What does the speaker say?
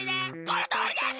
このとおりです！